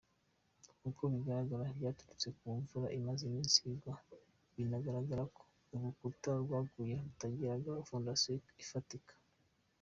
Uko bigaragara byaturutse kumvura imaze iminsi igwa, biranagaragara ko ururukuta rwaguye rutagiraga foundation ifatika.